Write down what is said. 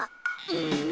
うん！